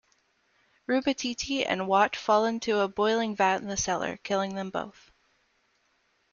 Rubbatiti and Watt fall into a boiling vat in the cellar, killing them both.